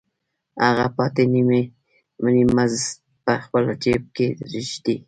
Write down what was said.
هغه پاتې نیم مزد په خپل جېب کې ږدي